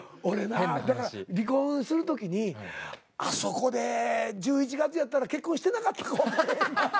俺なだから離婚する時にあそこで１１月やったら結婚してなかったかもわからへんな。